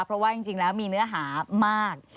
เพราะว่าจริงแล้วมีเนื้อหามาก